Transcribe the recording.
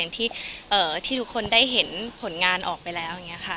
ที่ทุกคนได้เห็นผลงานออกไปแล้ว